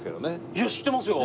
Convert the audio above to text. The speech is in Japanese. いや知ってますよ。